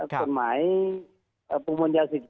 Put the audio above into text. กฎหมายปรุมวัญญาสิทธิ์